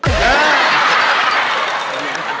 เออ